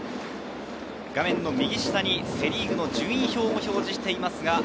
画面右下にセ・リーグ順位表を表示しています。